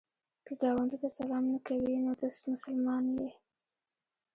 که ګاونډي ته سلام نه کوې، نو ته څه مسلمان یې؟